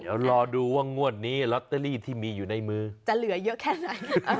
เดี๋ยวรอดูว่างวดนี้ลอตเตอรี่ที่มีอยู่ในมือจะเหลือเยอะแค่ไหน